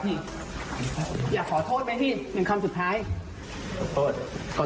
พี่อยากขอโทษไหมพี่หนึ่งคำสุดท้ายขอโทษขอโทษ